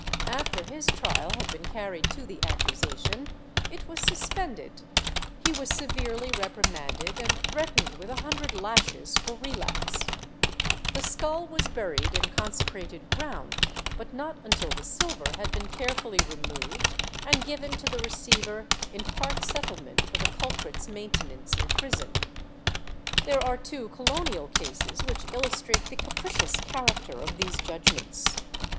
After his trial had been carried to the accusation, it was suspended ; he was severely repri manded and threatened with a hundred lashes for relapse; the ' Archive de Simancas, Inq., Leg. 552, fol. 11, 13. 2 Ibidem, fol. 26, 28, 29. Chap. VIII] PUNISH3IENT 201 skull was Ijuried in consecrated ground, but not until the silver had been carefully removed and given to the receiver in part settlement for the culprit's maintenance in prison/ There are two colonial cases which illustrate the capricious character of these judgements.